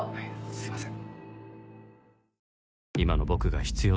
すいません。